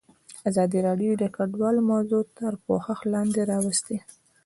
ازادي راډیو د کډوال موضوع تر پوښښ لاندې راوستې.